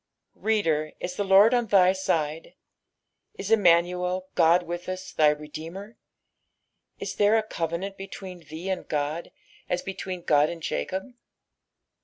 i^oder, is the Lord on thj side ? Is Emmuiuel, God witb tis, thy Redeemei I Is there a covenant between thee and God n between Ood and Jacob